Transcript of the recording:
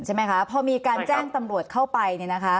ใช่ไหมคะเท่ามีการแจ้งตำรวจเข้าไป